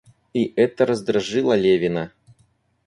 И эта раздражило Левина.